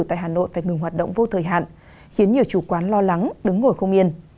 tại hà nội phải ngừng hoạt động vô thời hạn khiến nhiều chủ quán lo lắng đứng ngồi không yên